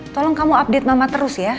tolong kamu update mama terus ya